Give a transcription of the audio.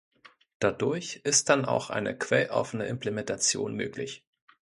Dadurch ist dann auch eine quelloffene Implementation möglich.